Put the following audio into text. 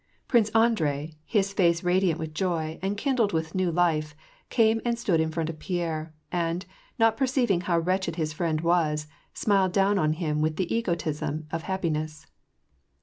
Prince Andrei, his face radiant with joy, and kindled with new life, came and stood in front of Pierre ; and, not per ceiving how wretched his friend was, smiled down on him with the egotism of happiness.